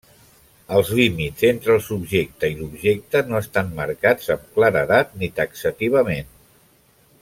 Els límits entre el subjecte i l'objecte, no estan marcats amb claredat ni taxativament.